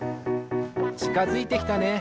ちかづいてきたね。